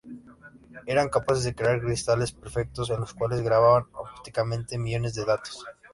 Eran capaces de crear cristales perfectos en los cuales grababan ópticamente millones de datos.